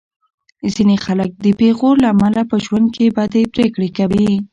ځینې خلک د پېغور له امله په ژوند کې بدې پرېکړې کوي.